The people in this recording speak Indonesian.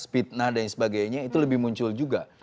fitnah dan sebagainya itu lebih muncul juga